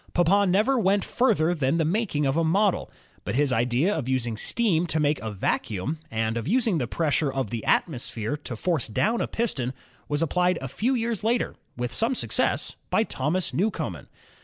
Papin never went further than the making of a model. But his idea of using steam to make a vacuimi, and of using the pressure of the atmosphere to force down a piston was applied a few years later with some success by Thomas Newcomen.